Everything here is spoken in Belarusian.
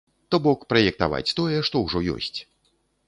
То бок праектаваць тое, што ўжо ёсць.